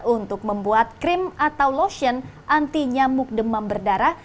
untuk membuat krim atau lotion anti nyamuk demam berdarah